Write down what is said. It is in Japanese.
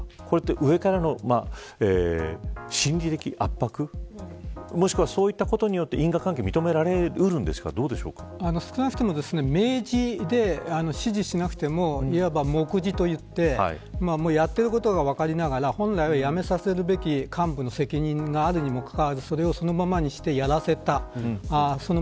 上からの心理的圧迫もしくは、そういったことによって因果関係が少なくとも、指示しなくてももくじと言ってやっていることが分かりながら本来はやめさせるべき幹部の責任があるにもかかわらずそれをそのままにしてやらせたということ。